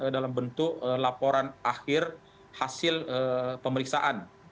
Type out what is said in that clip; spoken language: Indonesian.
dalam bentuk laporan akhir hasil pemeriksaan